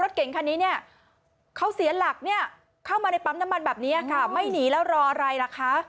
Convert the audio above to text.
ใจมาก